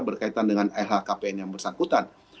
berkaitan dengan lhkpn yang bersangkutan